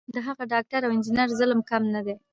د هغه ډاکټر او انجینر ظلم کم نه دی.